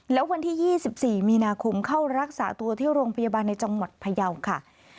แล้ววันที่๒๔มีนาคมเข้ารักษาตัวที่โรงพยาบาลในจังหวัดพยาวค่ะ